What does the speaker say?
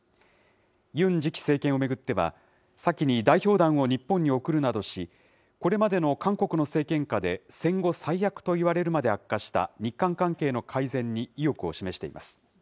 ユン次期政権を巡っては、先に代表団を日本に送るなどし、これまでの韓国の政権下で戦後最悪といわれるまで悪化した日韓関係の改善に意欲を示しています。